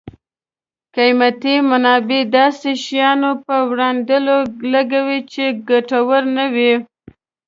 قیمتي منابع داسې شیانو په رانیولو لګوي چې ګټور نه وي.